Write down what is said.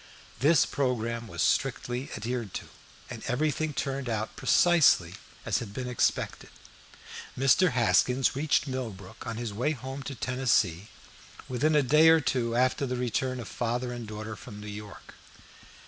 This programme was strictly adhered to, and everything turned out precisely as had been expected. Mr. Haskins reached Millbrook on his way home to Tennessee within a day or two after the return of father and daughter from New York.